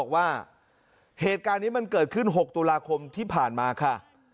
ว่าเหตุการณ์นี้มันเกิดขึ้น๖ตุลาคมที่ผ่านมาค่ะ